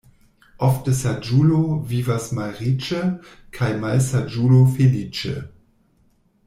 Ofte saĝulo vivas malriĉe kaj malsaĝulo feliĉe.